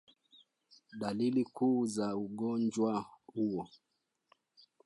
Dalili kuu za ugonjwa huo